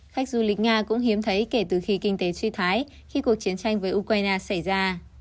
khách du lịch nga cũng hiếm thấy kể từ khi kinh tế suy thoái khi cuộc chiến tranh với ukraine xảy ra